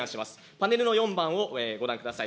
パネルの４番をご覧ください。